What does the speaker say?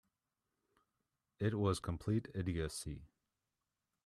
It was complete idiocy.